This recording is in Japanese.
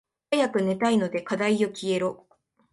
早く寝たいので課題よ消えろ。